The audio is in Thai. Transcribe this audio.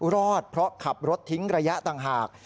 รอดเพราะขับรถทิ้งระยะต่างหาก